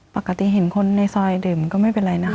ปกติเห็นคนในซอยดื่มก็ไม่เป็นไรนะคะ